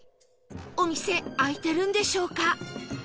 お店開いてるんでしょうか？